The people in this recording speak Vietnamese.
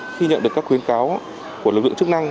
khi nhận được các khuyến cáo của lực lượng chức năng